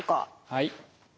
はい。